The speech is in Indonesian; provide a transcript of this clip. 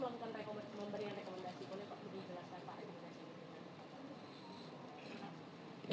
lalu untuk pak bkp kan tadi memberikan rekomendasi bolehkah itu dijelaskan pak